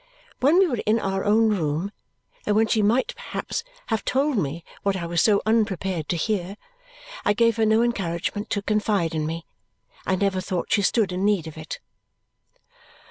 When we were in our own room, and when she might perhaps have told me what I was so unprepared to hear, I gave her no encouragement to confide in me; I never thought she stood in need of it.